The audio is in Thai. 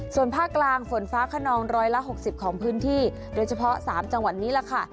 ส่วนภาคกลางฝนฟ้าขนองร้อยละ๖๐ของพื้นที่โดยเฉพาะ๓จังหวัดนี้ล่ะค่ะ